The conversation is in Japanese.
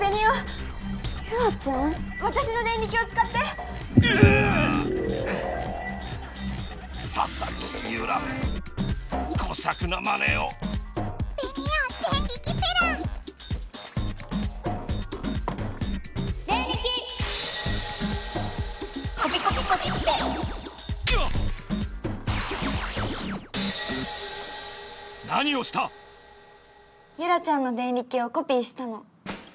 何をした⁉ユラちゃんのデンリキをコピーしたの。